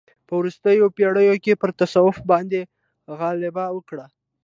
په وروستیو پېړیو کې پر تصوف باندې غلبه وکړه.